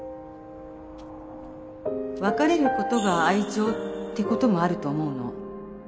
別れることが愛情ってこともあると思うの